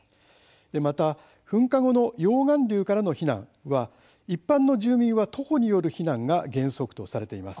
また噴火後の溶岩流からの避難は一般の住民は徒歩による避難が原則とされています。